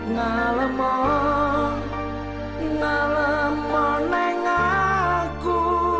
ngalamu ngalamu neng aku